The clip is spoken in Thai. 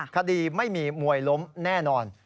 คดีไม่มีมวยล้มแน่นอน